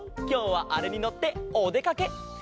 きょうはあれにのっておでかけ。